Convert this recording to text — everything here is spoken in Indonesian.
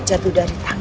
jatuh dari tangga